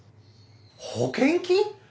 保険金！？